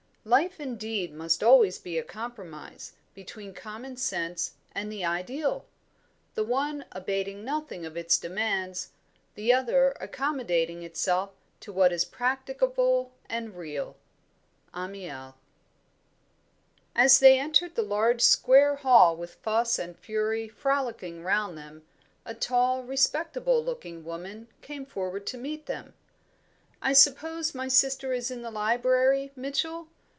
"... Life indeed must always be a compromise between common sense and the ideal, the one abating nothing of its demands, the other accommodating itself to what is practicable and real." Amiel. As they entered the large square hall with Fuss and Fury frolicking round them, a tall respectable looking woman came forward to meet them. "I suppose my sister is in the library, Mitchell?"